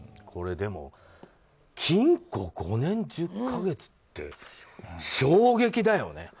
でも禁錮５年１０か月って衝撃だよね。